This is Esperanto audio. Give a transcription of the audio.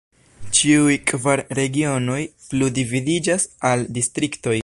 Ĉiuj kvar regionoj plu dividiĝas al distriktoj.